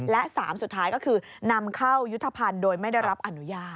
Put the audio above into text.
และ๓สุดท้ายก็คือนำเข้ายุทธภัณฑ์โดยไม่ได้รับอนุญาต